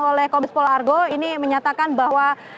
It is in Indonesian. oleh komis polargo ini menyatakan bahwa